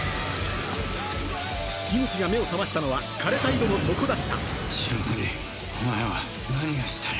口が目を覚ましたのは枯れた井戸の底だった白塗りお前は何がしたい？